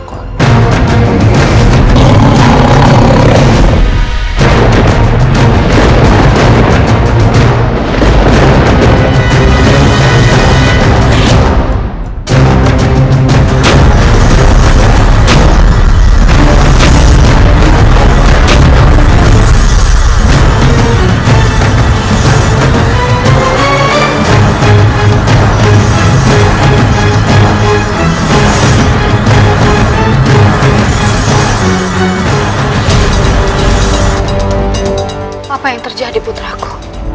apa yang terjadi putraku